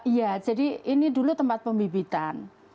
iya jadi ini dulu tempat pembibitan